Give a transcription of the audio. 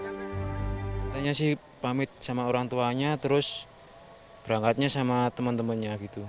katanya sih pamit sama orang tuanya terus berangkatnya sama teman temannya gitu